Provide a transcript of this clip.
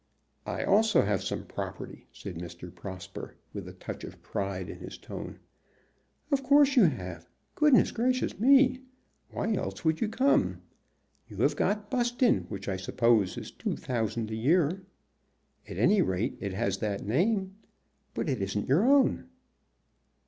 "I also have some property," said Mr. Prosper, with a touch of pride in his tone. "Of course you have. Goodness gracious me! Why else would you come? You have got Buston, which I suppose is two thousand a year. At any rate it has that name. But it isn't your own."